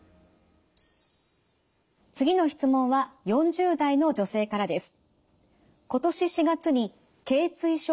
次の質問は４０代の女性からです。